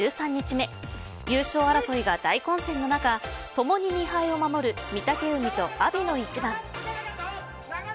１３日目優勝争いが大混戦の中ともに２敗を守る御嶽海と阿炎の一番。